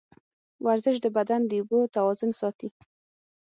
ورزش د بدن د اوبو توازن ساتي.